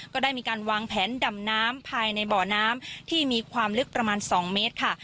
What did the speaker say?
ก็ได้มีการวางแผนดำน้ำภายในบ่อน้ำที่มีความลึกประมาณ๒เมตรค่ะ